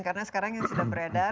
karena sekarang yang sudah beredar